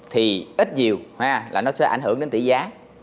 thì ít nhiều là nó sẽ ảnh hưởng đến tỷ giá